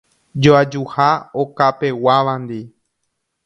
Joajuha okapeguávandi.